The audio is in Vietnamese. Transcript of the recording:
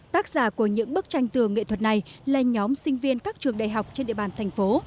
tác giả của những bức tranh tường nghệ thuật này là nhóm sinh viên các trường đại học trên địa bàn thành phố